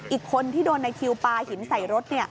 อีกคนที่โดนในคิวปลาหินใส่รถ